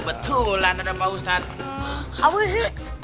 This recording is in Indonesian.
mudah lalu memulai kerja dalam perjalanan ke tempat nutshell